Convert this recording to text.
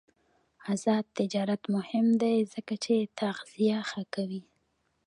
آزاد تجارت مهم دی ځکه چې تغذیه ښه کوي.